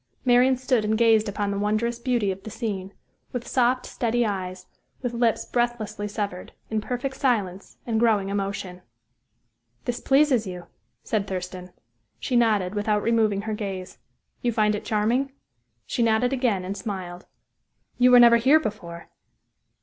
Marian stood and gazed upon the wondrous beauty of the scene with soft, steady eyes, with lips breathlessly severed, in perfect silence and growing emotion. "This pleases you," said Thurston. She nodded, without removing her gaze. "You find it charming?" She nodded again, and smiled. "You were never here before?"